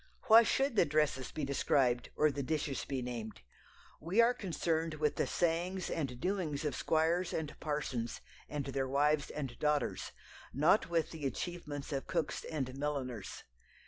Why should the dresses be described or the dishes be named? We are concerned with the sayings and doings of squires and parsons and their wives and daughters, not with the achievements of cooks and milliners.